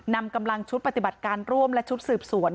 นำกำลังชุดปฏิบัติการร่วมและชุดสืบสวน